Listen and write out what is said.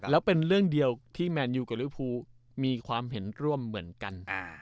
แล้วเป็นเรื่องเดียวที่แมนยูกับริวภูมีความเห็นร่วมเหมือนกัน